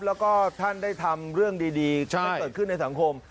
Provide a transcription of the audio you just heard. แล้วก็ท่านได้ทำเรื่องดีมันเกิดขึ้นในสังคม